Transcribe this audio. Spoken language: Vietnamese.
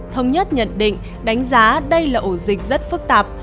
thống nhất nhận định đánh giá đây là ổ dịch rất phức tạp